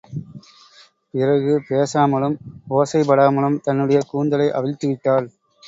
பிறகு, பேசாமலும், ஒசைப் படாமலும் தன்னுடைய கூந்தலை அவிழ்த்து விட்டாள்.